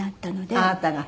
あなたが？